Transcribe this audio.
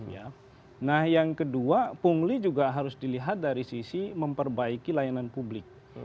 nah yang kedua pungli juga harus dilihat dari sisi memperbaiki layanan publik